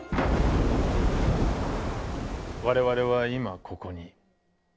我々は今ここに。